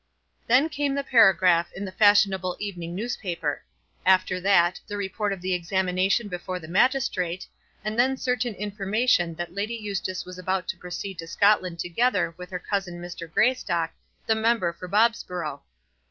Then came the paragraph in the fashionable evening newspaper; after that, the report of the examination before the magistrate, and then certain information that Lady Eustace was about to proceed to Scotland together with her cousin Mr. Greystock, the Member for Bobsborough.